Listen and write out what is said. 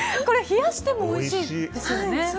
冷やしてもおいしいんですよね。